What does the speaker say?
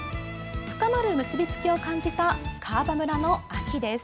深まる結び付きを感じた、川場村の秋です。